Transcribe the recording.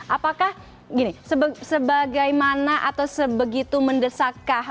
apakah gini sebagaimana atau sebegitu mendesakkah